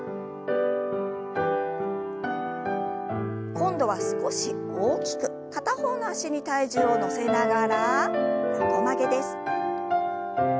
今度は少し大きく片方の脚に体重を乗せながら横曲げです。